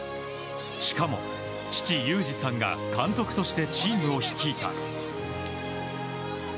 しかも、父・祐司さんが監督としてチームを率いた。